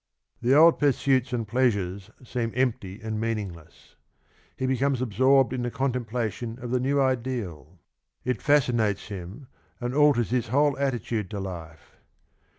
The old 1 Colvin, L'lir. of Keats, pp. 11, 12. 15 pursuits and pleasures seem empty and meaningless ; he becomes absorbed in the contemplation of the new ideal : it fascinates him, and alters his whole attitude to life.